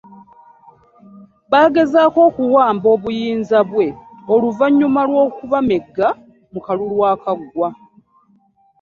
Baagezaako okuwamba obuyinza bwe oluvannyuma lw'okubamegga mu kalulu akaggwa